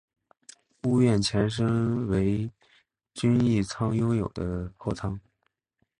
屋苑前身为均益仓拥有的货仓。